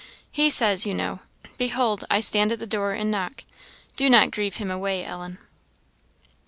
He says, you know, 'Behold, I stand at the door and knock.' Do not grieve him away, Ellen."